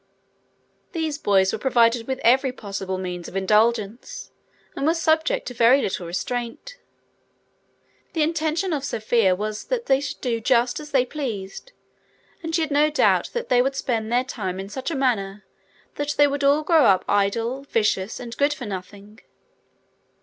These boys were provided with every possible means of indulgence, and were subject to very little restraint. The intention of Sophia was that they should do just as they pleased, and she had no doubt that they would spend their time in such a manner that they would all grow up idle, vicious, and good for nothing.